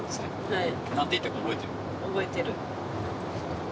はい。